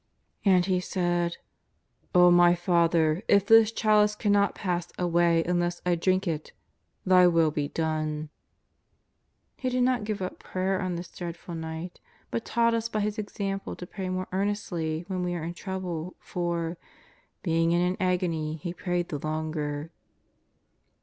And He said: " O My Eather, if this chalice cannot pass away un less I drink it. Thy Will be done." He did not give up prayer on this dreadful night, but taught us by His example to pray more earnestly when We are in trouble ; for " being in an agony He prayed the longer."